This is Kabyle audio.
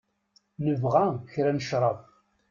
Nebɣa kra n cṛab.